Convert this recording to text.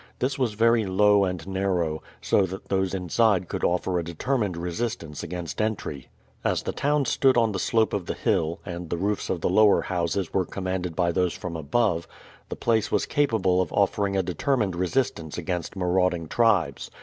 This was very low and narrow, so that those inside could offer a determined resistance against entry. As the town stood on the slope of the hill, and the roofs of the lower houses were commanded by those from above, the place was capable of offering a determined resistance against marauding tribes.